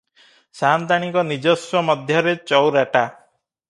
ସାଆନ୍ତାଣିଙ୍କ ନିଜସ୍ୱ ମଧ୍ୟରେ ଚଉରାଟା ।